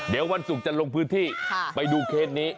เดี๋ยววันศุกร์จะลงพื้นที่ไปดูเคสนี้